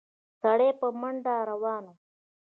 سړی په منډه روان و.